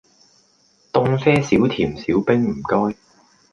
凍啡少甜少冰唔該